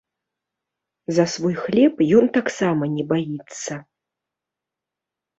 За свой хлеб ён таксама не баіцца.